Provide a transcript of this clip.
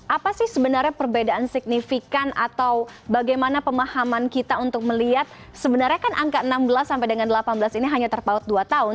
apa sih sebenarnya perbedaan signifikan atau bagaimana pemahaman kita untuk melihat sebenarnya kan angka enam belas sampai dengan delapan belas ini hanya terpaut dua tahun